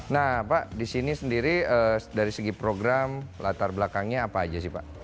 nah pak di sini sendiri dari segi program latar belakangnya apa aja sih pak